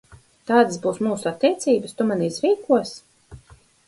Tādas būs mūsu attiecības, tu mani izrīkosi?